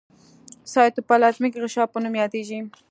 سایټوپلازمیک غشا په نوم یادیږي.